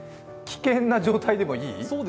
危険な状態でも、いい？